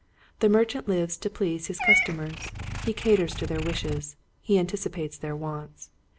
The merchant lives to please his customers. He caters to their wishes, he anticipates their wants.